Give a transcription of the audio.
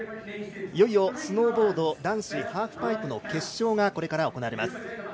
いよいよスノーボード男子ハーフパイプの決勝がこれから行われます。